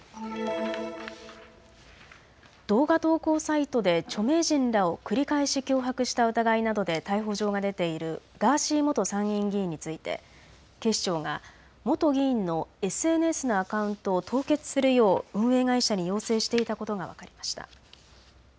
動画投稿サイトで著名人らを繰り返し脅迫した疑いなどで逮捕状が出ているガーシー元参議院議員について警視庁が元議員のＳＮＳのアカウントを凍結するよう運営会社に要請していたことが分かりました。